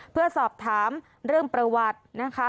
เพื่อสอบถามเรื่องประวัตินะคะ